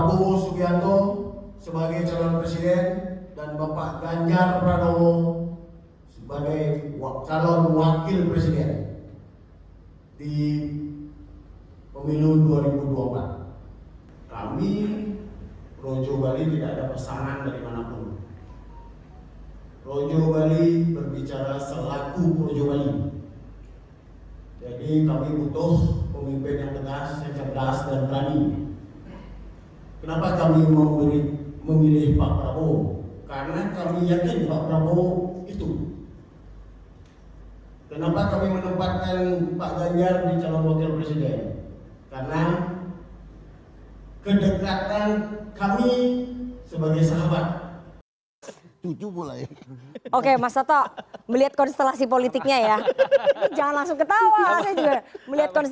oke mas soto melihat konstelasi politiknya ya jangan langsung ketawa melihat konstelasi